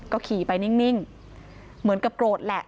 ก็ขี่ไปนิ่งเหมือนกับโกรธแหละ